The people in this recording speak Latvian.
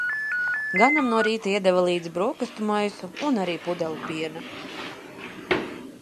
Ganam no rīta iedeva līdzi brokastu maisu un arī pudeli piena.